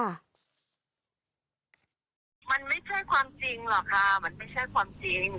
มันไม่ใช่ความจริงหรอกค่ะมันไม่ใช่ความจริง